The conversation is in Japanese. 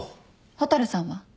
蛍さんは？